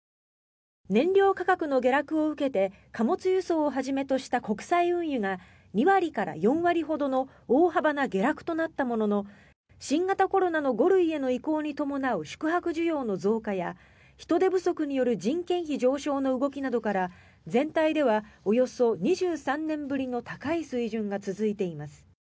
燃料価格の下落を受けて貨物輸送をはじめとした国際運輸が２割から４割ほどの大幅な下落となったものの新型コロナの５類への移行に伴う宿泊需要の増加や人手不足による人件費上昇の動きなどから全体ではおよそ２３年ぶりの高い水準が続いています。